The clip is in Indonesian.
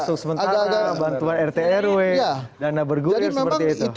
untuk sementara bantuan rt rw dana bergulir seperti itu